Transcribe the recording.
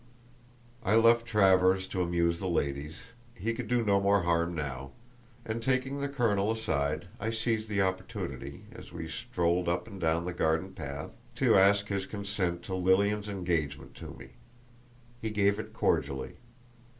I left Travers to amuse the ladies—he could do no more harm now; and, taking the colonel aside, I seized the opportunity, as we strolled up and down the garden path, to ask his consent to Lilian's engagement to me. He gave it cordially.